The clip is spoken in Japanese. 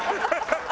ハハハ！